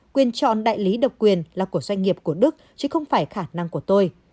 quyền chọn đại lý độc quyền là của doanh nghiệp của đức chứ không phải khả năng của tôi